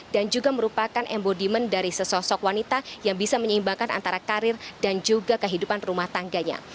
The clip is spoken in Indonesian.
dan juga merupakan embodiment dari sesosok wanita yang bisa menyeimbangkan antara karir dan juga kehidupan rumah tangganya